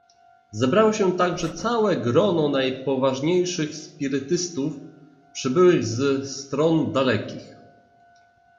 "Zebrało się także całe grono najpoważniejszych spirytystów, przybyłych z stron dalekich."